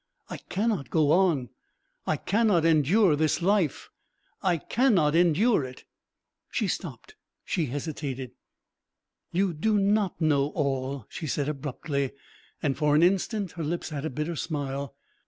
I cannot go on. I cannot endure this life.... I cannot endure it." She stopped. She hesitated. "You do not know all," she said abruptly, and for an instant her lips had a bitter smile.